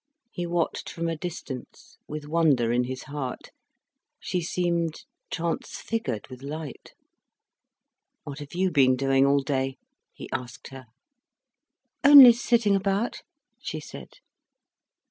He watched from a distance, with wonder in his heart, she seemed transfigured with light. "What have you been doing all day?" he asked her. "Only sitting about," she said.